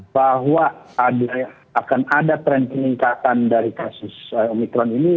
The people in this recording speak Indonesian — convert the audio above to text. bahwa akan ada tren peningkatan dari kasus omikron ini